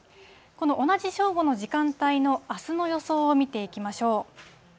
この同じ正午の時間帯のあすの予想を見ていきましょう。